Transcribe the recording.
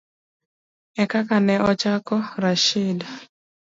ekaka ne ochako Rashid